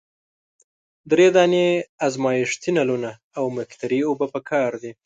دری دانې ازمیښتي نلونه او مقطرې اوبه پکار دي.